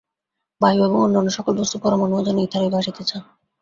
বায়ু এবং অন্যান্য সকল বস্তুর পরমাণুও যেন ইথারেই ভাসিতেছে।